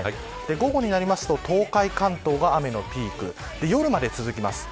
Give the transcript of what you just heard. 午後になると東海関東が雨のピーク夜まで続きます。